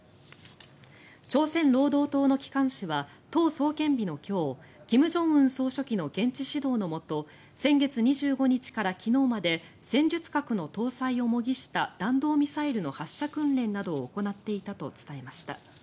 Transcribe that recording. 朝鮮労働党の機関紙は党創建日の今日金正恩総書記の現地指導のもと先月２５日から昨日まで戦術核の搭載を模擬した弾道ミサイルの発射訓練などを行っていたと伝えました。